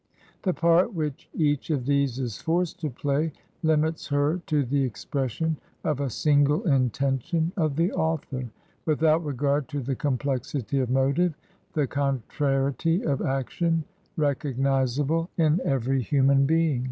The part which each of these is forced to play limits her to the ejcpression of a single intention of the author, without regard to the complexity of motive, the contra riety of action, recognizable in every hxunan being.